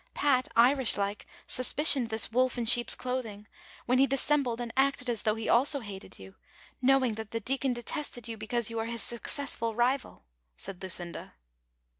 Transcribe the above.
Fat, irish like, suspicioned this wolf in sheep's clothing, when he dissembled and acted as though he also hated you, knov^ ing that the deacoji detested you, because you are his successful rival," said Lucinda.